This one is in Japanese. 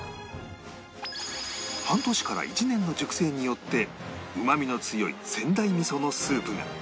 半年から１年の熟成によってうまみの強い仙台味噌のスープが